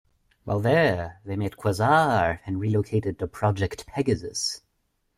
While there, they met Quasar and relocated to Project: Pegasus.